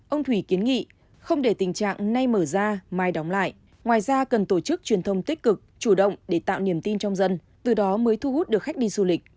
ông thủy kiến nghị không để tình trạng nay mở ra mai đóng lại ngoài ra cần tổ chức truyền thông tích cực chủ động để tạo niềm tin trong dân từ đó mới thu hút được khách đi du lịch